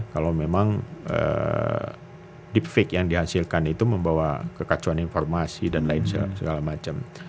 kalau memang deep fake yang dihasilkan itu membawa kekacauan informasi dan lain segala macam